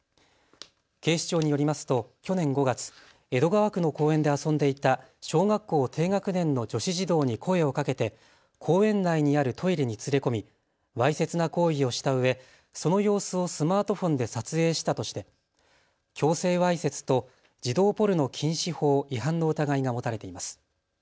警視庁によりますと去年５月、江戸川区の公園で遊んでいた小学校低学年の女子児童に声をかけて公園内にあるトイレに連れ込みわいせつな行為をしたうえその様子をスマートフォンで撮影したとして強制わいせつと児童ポルノ禁止法違反の疑いが持たれています。